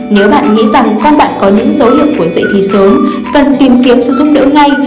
nếu bạn nghĩ rằng các bạn có những dấu hiệu của dạy thi sớm cần tìm kiếm sự giúp đỡ ngay